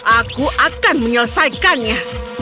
aku akan menyelesaikannya